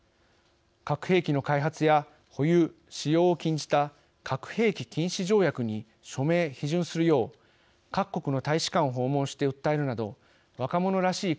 核兵器の開発や保有・使用を禁じた核兵器禁止条約に署名・批准するよう各国の大使館を訪問して訴えるなど若者らしい